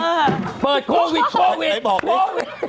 หัวไตเต้นเต้น